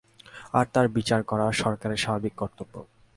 আর তার বিচার করা সরকারের স্বাভাবিক কর্তব্য।